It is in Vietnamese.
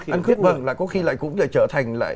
ăn khuyết vần là có khi lại cũng trở thành